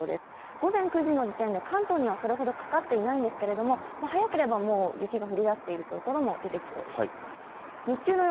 午前９時の時点で関東にはそれほどかかっていないんですけれども、早ければもう雪が降りだしている所も出てきそうです。